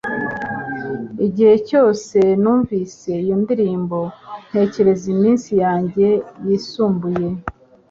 Igihe cyose numvise iyo ndirimbo ntekereza iminsi yanjye yisumbuye